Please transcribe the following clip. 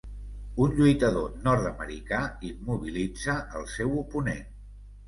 Un lluitador nord-americà immobilitza el seu oponent.